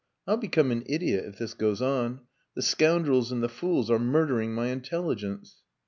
"I'll become an idiot if this goes on. The scoundrels and the fools are murdering my intelligence."